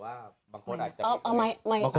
รวมกันนานแล้วแต่ว่า